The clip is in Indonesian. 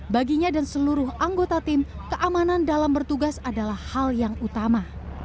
baginya dan seluruh anggota tim keamanan dalam bertugas adalah hal yang utama